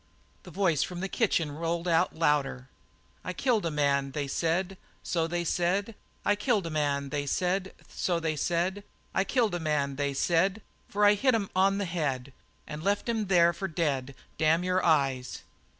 The voice from the kitchen rolled out louder: "I killed a man, they said, so they said; I killed a man, they said, so they said. I killed a man they said, For I hit 'im on the head, And I left him there for dead Damn your eyes!"